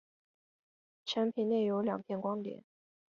产品内有两片光碟。